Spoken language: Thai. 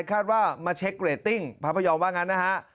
คาดว่ามาเช็คเรตติ้งพระพยอมว่างั้นนะฮะ